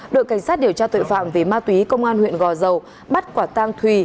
đội cảnh sát điều tra tội phạm về ma túy công an huyện gò dầu bắt quả tang thùy